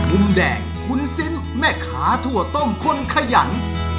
มุมแดงคุณซิมแม่ค้าถั่วต้มคนขยัน